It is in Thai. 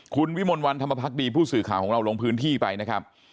คุณวิมลวันธรรมพักดีผู้สื่อข่าวของเราลงพื้นที่ไปนะครับ